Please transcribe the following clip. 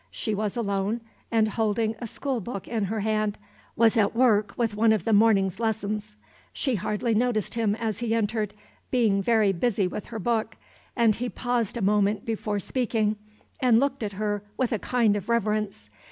She was alone, and, holding a school book in her hand, was at work with one of the morning's lessons. She hardly noticed him as he entered, being very busy with her book, and he paused a moment before speaking, and looked at her with a kind of reverence.